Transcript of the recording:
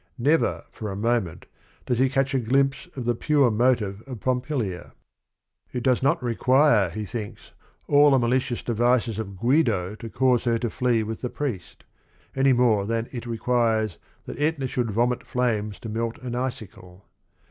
Never for a moment does he catch a glimpse of the pure motive of Pompilia. It does not require, he thinks, all the malicious devices of Guido to cause her to flee with the priest, any more than it requires that Etna should vomit flames to melt an icicle.